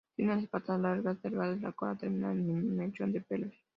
Tienen las patas largas y delgadas, la cola termina en un mechón de pelos.